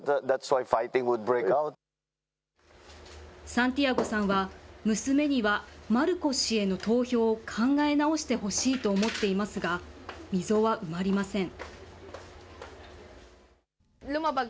サンティアゴさんは、娘にはマルコス氏への投票を考え直してほしいと思っていますが、溝は埋まりません。